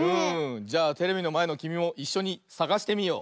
じゃあテレビのまえのきみもいっしょにさがしてみよう！